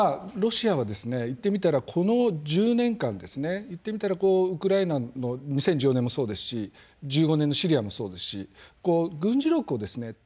ロシアは言ってみたらこの１０年間ですね言ってみたらウクライナの２０１４年もそうですし２０１５年のシリアもそうですし軍事力をですね